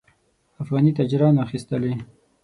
افغاني تاجرانو اخیستلې.